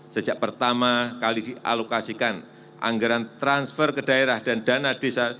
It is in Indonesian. sejak pertama kali dialokasikan anggaran transfer ke daerah dan dana desa